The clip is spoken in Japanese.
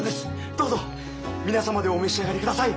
どうぞ皆様でお召し上がりください。